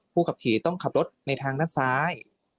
ขับขี่ต้องขับรถในทางด้านซ้าย